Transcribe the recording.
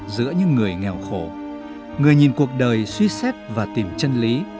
giữa những người nghèo khổ người nhìn cuộc đời suy xét và tìm chân lý